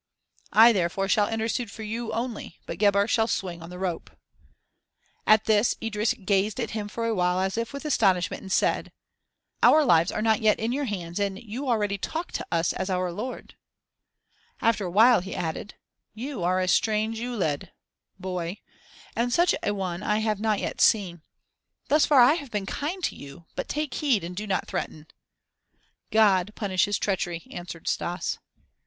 "I therefore shall intercede for you only; but Gebhr shall swing on the rope." At this Idris gazed at him for a while as if with astonishment and said: "Our lives are not yet in your hands and you already talk to us as our lord " After a while he added: "You are a strange 'uled' (boy), and such a one I have not yet seen. Thus far I have been kind to you, but take heed and do not threaten." "God punishes treachery," answered Stas.